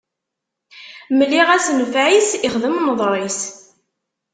Mliɣ-as nnfeɛ-is, ixdem nneḍṛ-is.